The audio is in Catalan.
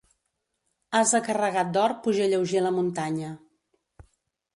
Ase carregat d'or puja lleuger la muntanya.